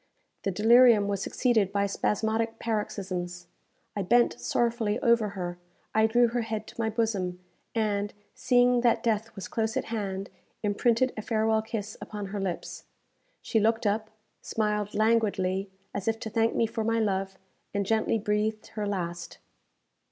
The delirium was succeeded by spasmodic paroxysms. I bent sorrowfully over her; I drew her head to my bosom; and, seeing that death was close at hand, imprinted a farewell kiss upon her lips. She looked up, smiled languidly, as if to thank me for my love, and gently breathed her last.